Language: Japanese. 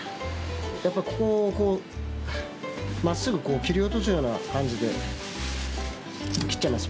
やっぱここをこうまっすぐこう切り落とすような感じで切っちゃいます